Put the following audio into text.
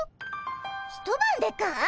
一晩でかい？